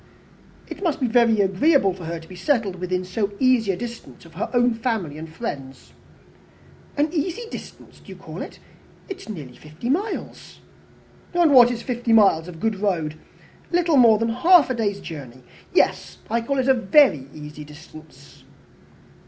"It must be very agreeable to her to be settled within so easy a distance of her own family and friends." "An easy distance do you call it? It is nearly fifty miles." "And what is fifty miles of good road? Little more than half a day's journey. Yes, I call it a very easy distance."